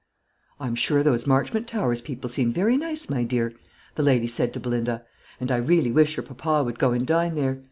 "I'm sure those Marchmont Towers people seem very nice, my dear," the lady said to Belinda; "and I really wish your papa would go and dine there.